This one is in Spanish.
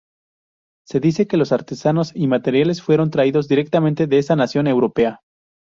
Se dice que los artesanos y materiales fueron traídos directamente de esa nación europea.